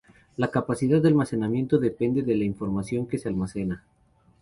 La capacidad de almacenamiento depende de la información que se almacena.